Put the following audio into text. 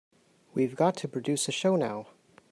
We've got to produce a show now.